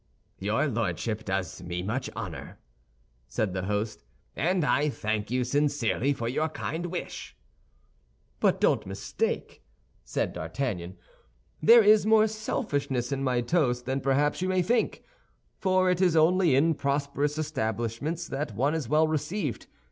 "Your Lordship does me much honor," said the host, "and I thank you sincerely for your kind wish." "But don't mistake," said D'Artagnan, "there is more selfishness in my toast than perhaps you may think—for it is only in prosperous establishments that one is well received.